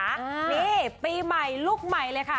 นี่ปีใหม่ลูกใหม่เลยค่ะ